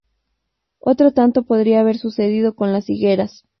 Otro tanto podría haber sucedido con las higueras.